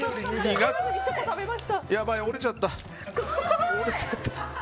やばい、折れちゃった。